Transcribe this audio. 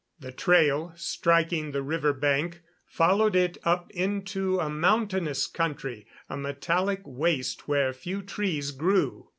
The trail, striking the river bank, followed it up into a mountainous country a metallic waste where few trees grew.